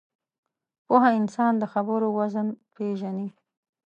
پوه انسان د خبرو وزن پېژني